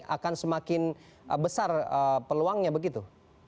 akan semakin besar peluangnya begitu